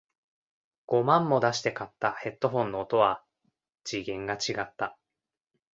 五万も出して買ったヘッドフォンの音は次元が違った